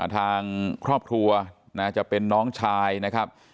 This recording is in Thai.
ทางครอบครัวจะเป็นน้องชายนะครับ